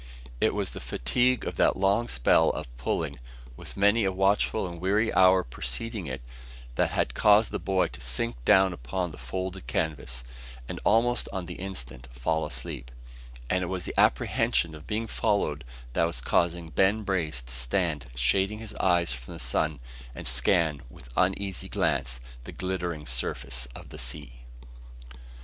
It was the fatigue of that long spell of pulling with many a watchful and weary hour preceding it that had caused the boy to sink down upon the folded canvas, and almost on the instant fall asleep; and it was the apprehension of being followed that was causing Ben Brace to stand shading his eyes from the sun, and scan with uneasy glance the glittering surface of the sea.